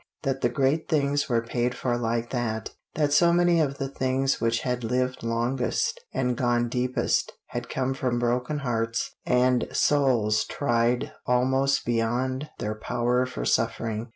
That the great things were paid for like that. That so many of the things which had lived longest and gone deepest had come from broken hearts and souls tried almost beyond their power for suffering.